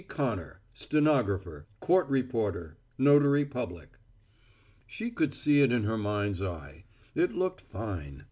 CONNOR STENOGRAPHER COURT REPORTER NOTARY PUBLIC She could see it in her mind's eye. It looked fine.